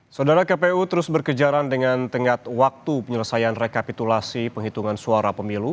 saudara kpu terus berkejaran dengan tenggat waktu penyelesaian rekapitulasi penghitungan suara pemilu